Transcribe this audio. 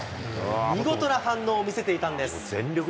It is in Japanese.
見事な反応を見せていたんです。